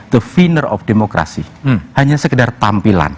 the finner of demokrasi hanya sekedar tampilan